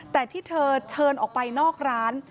แต่ที่เธอเชิญออกไปนอกร้าน